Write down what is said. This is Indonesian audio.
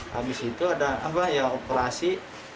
habis itu ada operasi